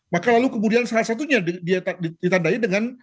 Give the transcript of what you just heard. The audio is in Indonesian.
maka lalu kemudian salah satunya dia ditandai dengan